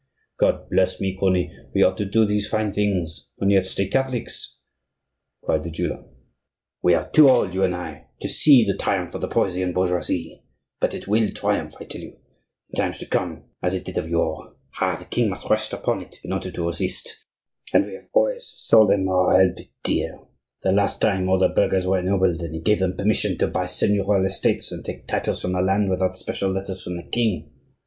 "God bless me, crony; we ought to do these fine things and yet stay Catholics," cried the jeweller. "We are too old, you and I, to see the triumph of the Parisian bourgeoisie, but it will triumph, I tell you, in times to come as it did of yore. Ha! the king must rest upon it in order to resist, and we have always sold him our help dear. The last time, all the burghers were ennobled, and he gave them permission to buy seignorial estates and take titles from the land without special letters from the king.